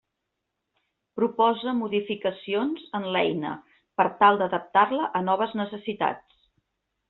Proposa modificacions en l'eina per tal d'adaptar-la a noves necessitats.